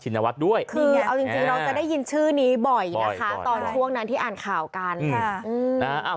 ตอนท่วงนั้นที่อ่านข่าวกัน